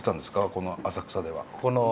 この浅草では。